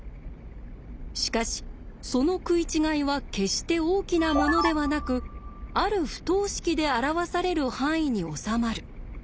しかしその食い違いは決して大きなものではなくある不等式で表される範囲におさまる。